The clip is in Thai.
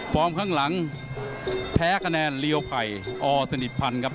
ข้างหลังแพ้คะแนนเรียวไผ่อสนิทพันธ์ครับ